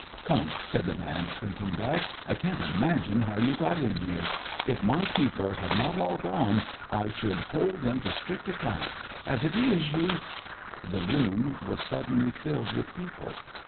"Come," said the man, shrinking back. "I can't imagine how you got in here. If my people had not all gone I should hold them to strict account. As it is, you " The room was suddenly filled with people.